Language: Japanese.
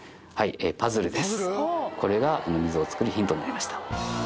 これがこの溝を作るヒントになりました。